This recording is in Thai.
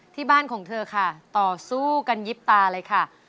ที่บ้านของเธอค่ะต่อสู้กันยิบตาเลยค่ะ